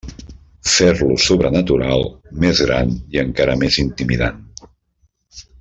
Fer-lo sobrenatural, més gran i encara més intimidant.